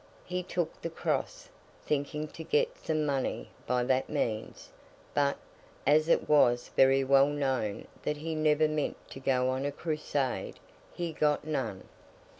He took the Cross, thinking to get some money by that means; but, as it was very well known that he never meant to go on a crusade, he got none.